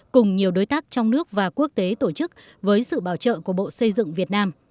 cùng nhiều đối tác trong nước và quốc tế tổ chức với sự bảo trợ của bộ xây dựng việt nam